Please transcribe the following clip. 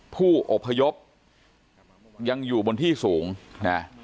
ผู้อพยพยังอยู่บนที่สูงนะ